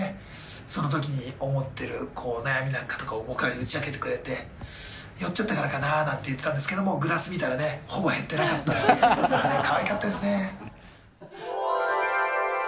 そのときに思ってる悩みなんかとかを、僕に打ち明けてくれて、酔っちゃったからかななんて言ってましたけど、グラス見たらほぼ減ってなかったの、かわいかったですね。